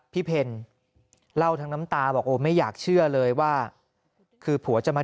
เพลเล่าทั้งน้ำตาบอกโอ้ไม่อยากเชื่อเลยว่าคือผัวจะมา